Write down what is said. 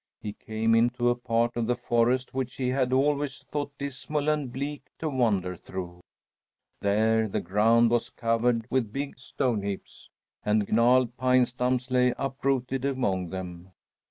He came into a part of the forest which he had always thought dismal and bleak to wander through. There the ground was covered with big stone heaps, and gnarled pine stumps lay uprooted among them.